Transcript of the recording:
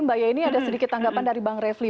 mbak yeni ada sedikit tanggapan dari bang refli